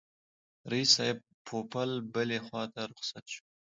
رییس صاحب پوپل بلي خواته رخصت شو.